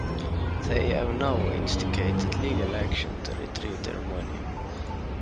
They have now instigated legal action to retrieve their money.